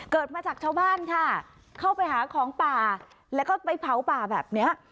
เกิดมาจากชาวบ้านค่ะเข้าไปหาของป่าแล้วก็ไปเผาป่าแบบนี้